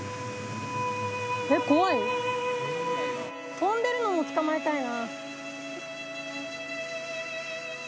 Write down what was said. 飛んでるのを捕まえたいな。